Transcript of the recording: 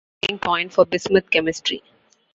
It is also a common starting point for bismuth chemistry.